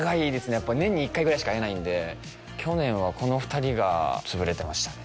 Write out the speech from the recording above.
やっぱり年に１回ぐらいしか会えないんで去年はこの２人が潰れてましたね